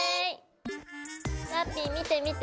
ラッピィ見て見て。